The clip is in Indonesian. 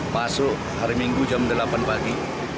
masuk hari minggu jam delapan pagi